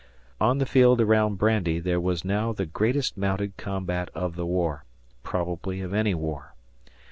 On the field around Brandy there was now the greatest mounted combat of the war probably of any war.